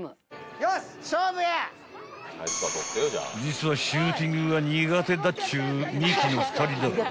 ［実はシューティングが苦手だっちゅうミキの２人だが］